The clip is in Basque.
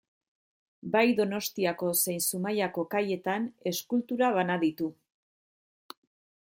Bai Donostiako zein Zumaiako kaietan eskultura bana ditu.